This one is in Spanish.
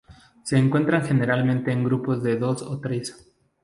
Se encuentran generalmente en grupos de dos o tres.